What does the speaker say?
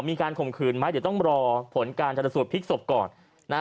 มีการคมคืนไหมเดี๋ยวต้องรอผลการจรสุดพลิกศพก่อน